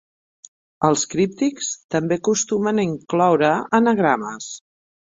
Els críptics també acostumen a incloure anagrames.